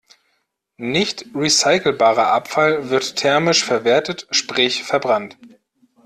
Nicht recycelbarer Abfall wird thermisch verwertet, sprich verbrannt.